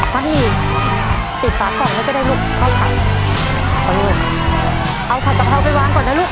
ปิดฝากก่อนแล้วก็ได้ลูกข้าวขัดเอาขัดกระเภาไปวางก่อนนะลูก